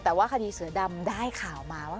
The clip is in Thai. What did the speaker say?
แต่ว่าคดีเสือดำได้ข่าวมาว่า